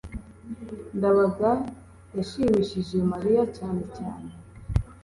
ndabaga yashimishije mariya cyane cyane